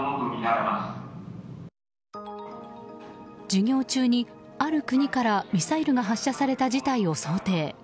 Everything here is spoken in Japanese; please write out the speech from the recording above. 授業中に、ある国からミサイルが発射された事態を想定。